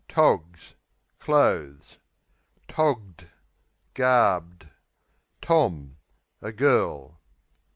Togs Clothes. Togged Garbed. Tom A girl.